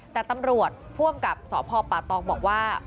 แต่ตำรวจผู้อำกับสพป่าตองบอกว่า